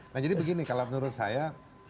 nah jadi begini kalau menurut saya